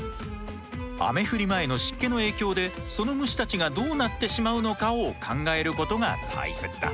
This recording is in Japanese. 雨降り前の湿気の影響でその虫たちがどうなってしまうのかを考えることが大切だ。